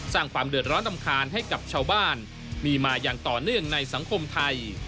สร้างความเดือดร้อนรำคาญให้กับชาวบ้านมีมาอย่างต่อเนื่องในสังคมไทย